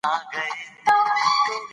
ښه درمل مریض زر ښه کوی.